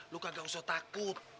lo kagak usah takut